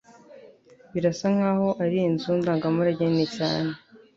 Birasa nkaho ari inzu ndangamurage nini cyane.